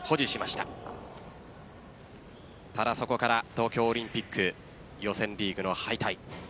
ただ、そこから東京オリンピック予選リーグの敗退。